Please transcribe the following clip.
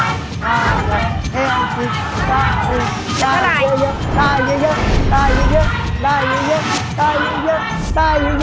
อย่าเงียบ